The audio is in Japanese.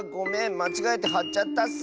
まちがえてはっちゃったッス。